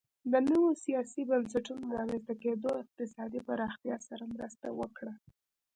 د نویو سیاسي بنسټونو رامنځته کېدو اقتصادي پراختیا سره مرسته وکړه